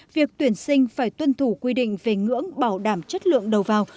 việc tuyển sinh phải tuân thủ quy định về ngưỡng bảo đảm chất lượng đầu vào